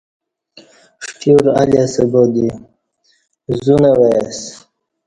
ݜٹیور الی اسہ با دی زو نہ وای اسہ